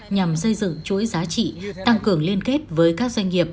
nhằm xây dựng chuỗi giá trị tăng cường liên kết với các doanh nghiệp